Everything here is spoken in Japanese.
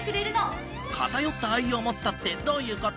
「偏った愛を持った」ってどういう事？